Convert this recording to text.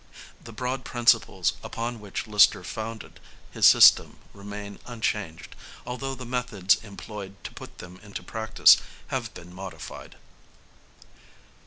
The broad principles upon which Lister founded his system remain unchanged, although the methods employed to put them into practice have been modified.